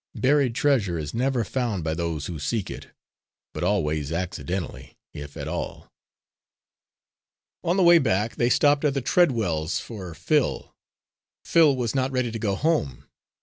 Buried treasure is never found by those who seek it, but always accidentally, if at all." On the way back they stopped at the Treadwells' for Phil. Phil was not ready to go home.